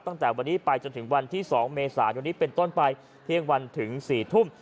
ตั้งแต่วันนี้ไปจนถึงวันที่๒เมษายนนี้เป็นต้นไปเที่ยงวันถึง๔ทุ่ม